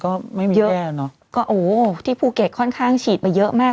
ก็ไม่เยอะแยะเนอะก็โอ้ที่ภูเก็ตค่อนข้างฉีดไปเยอะมาก